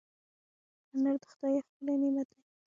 انار د خدای یو ښکلی نعمت دی.